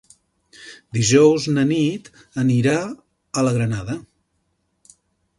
Dijous na Nit anirà a la Granada.